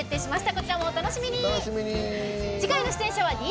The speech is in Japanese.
こちらもお楽しみに！